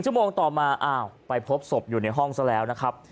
ชั่วโมงต่อมาอ้าวไปพบศพอยู่ในห้องซะแล้วนะครับ